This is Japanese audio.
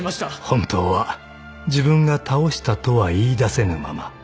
［本当は自分が倒したとは言いだせぬまま］